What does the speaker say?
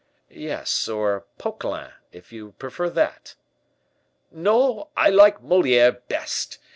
"Yes; or Poquelin, if you prefer that." "No; I like Moliere best.